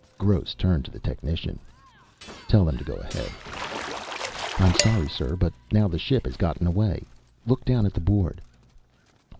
Gross turned to the technician. "Tell them to go ahead." "I'm sorry, sir, but now the ship has gotten away. Look down at the board."